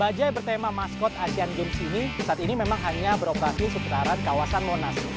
bajai bertema maskot asian games ini saat ini memang hanya beroperasi seputaran kawasan monas